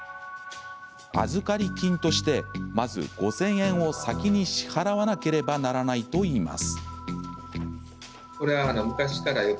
預かり金としてまず５０００円を先に支払わなければならないといいます。